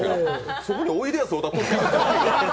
そこにおいでやす小田。